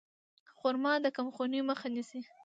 خرما د کمخونۍ مخه نیسي.